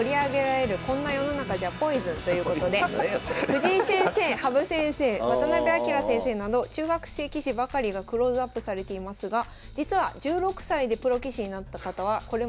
藤井先生羽生先生渡辺明先生など中学生棋士ばかりがクローズアップされていますが実は１６歳でプロ棋士になった方はこれまで８人しかおりません。